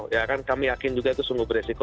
ya kan kami yakin juga itu sungguh beresiko